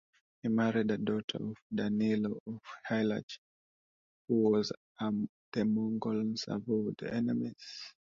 He married a daughter of Danylo of Halych, who was the Mongols' avowed enemy.